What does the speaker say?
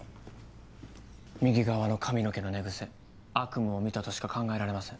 右側の髪の毛の寝癖悪夢を見たとしか考えられません。